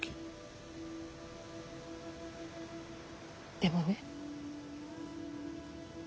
でもね